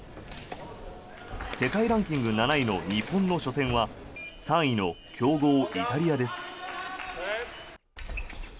世界ランキング７位の日本の初戦は３位の強豪イタリアです。